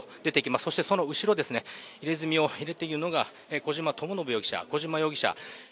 そしてその後ろ、入れ墨を入れているのが小島智信容疑者、小島容疑者。